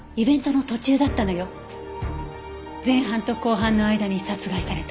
前半と後半の間に殺害された。